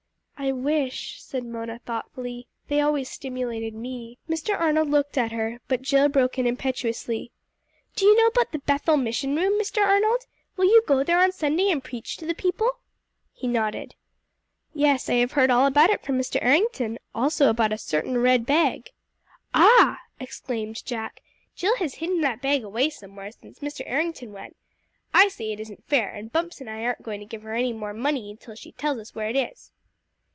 "I wish," said Mona thoughtfully, "they always stimulated me." Mr. Arnold looked at her, but Jill broke in impetuously. "Do you know about the Bethel Mission room, Mr. Arnold? Will you go there on Sunday and preach to the people?" He nodded. "Yes, I have heard all about it from Mr. Errington, also about a certain red bag." "Ah!" exclaimed Jack; "Jill has hidden that bag away somewhere since Mr. Errington went. I say it isn't fair, and Bumps and I aren't going to give her any more money till she tells us where it is."